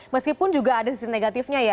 meskipun juga ada sisi negatifnya ya